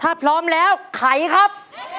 ถ้าพร้อมแล้วไขครับ